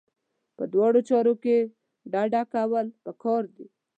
په دواړو چارو کې ډډه کول پکار دي.